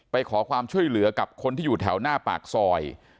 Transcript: ไปขอความช่วยเหลือกับคนที่อยู่แถวหน้าปากซอย